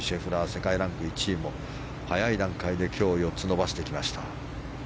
世界ランク１位も早い段階で今日、４つ伸ばしてきました。